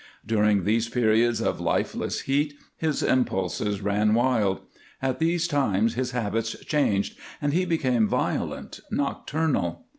During these periods of lifeless heat his impulses ran wild; at these times his habits changed and he became violent, nocturnal.